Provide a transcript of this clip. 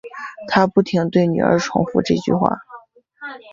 她不停对女儿重复这句话